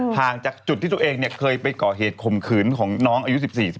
ห่างจากจุดที่ตัวเองเคยไปก่อเหตุข่มขืนของน้องอายุ๑๔